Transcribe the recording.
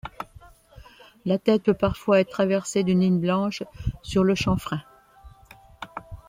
La tête peut parfois être traversée d'une ligne blanche sur le chanfrein.